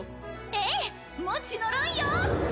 ええもちのろんよ！